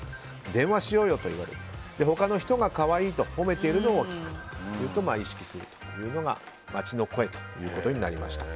電話しようと言われる他の人が可愛いと褒めているのを聞くと意識するというのが街の声ということになりました。